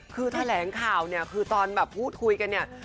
คือแถลงข่าวเนี่ยคือตอนแบบพูดคุยกันเนี่ย